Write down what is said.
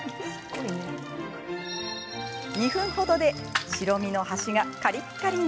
２分程で、白身の端がカリッカリに。